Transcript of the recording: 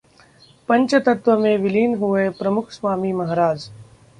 पंचतत्व में विलीन हुए प्रमुख स्वामी महाराज